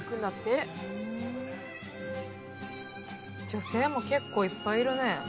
女性も結構いっぱいいるね。